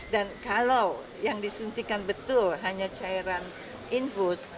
dan kalau yang disuntikan betul hanya cairan infus